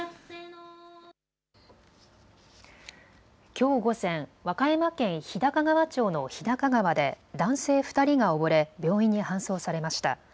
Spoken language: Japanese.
きょう午前、和歌山県日高川町の日高川で男性２人が溺れ病院に搬送されました。